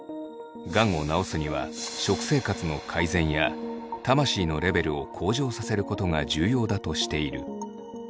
がんを治すには食生活の改善や魂のレベルを向上させることが重要だとしている。